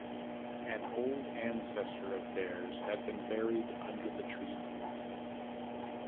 An old ancestor of theirs had been buried under the tree.